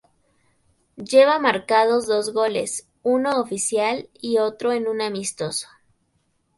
Lleva marcados dos goles, uno oficial y otro en un amistoso.